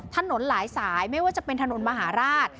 ถนนหลายสายไม่ว่าจะเป็นถนนมหาราช